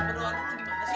terima kasih gak perlu